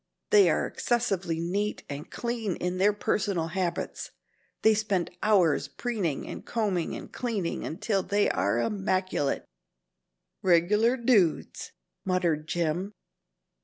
They are excessively neat and clean in their personal habits. They spend hours preening and combing and cleaning until they are immaculate " "Regular dudes," muttered Jim.